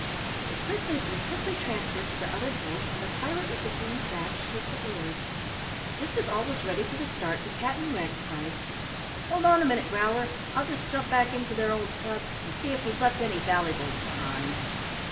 The prisoners were quickly transferred to the other boat, and the pirate with the green sash took the oars. Just as all was ready for the start the cat in red cried: "Hold on a minute, Growler! I'll just jump back into their old tub to see if we've left any vallybles behind!"